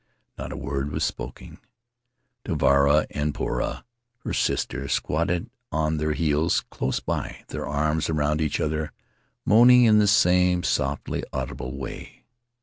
Not a word was spoken. Tuarava and Poura, her sister, squatted on their heels close by, their arms around each other, moaning in the same softly audible way.